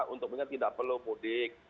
untuk mengingat tidak perlu pudik